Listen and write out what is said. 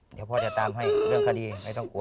เดี๋ยวพ่อจะตามให้เรื่องคดีไม่ต้องกลัว